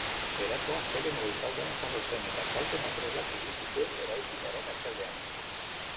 Erasoa astelehen goizaldean jazo zen, eta kalte materialak egin zituen eraikinaren atzealdean.